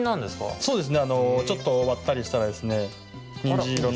そうですね。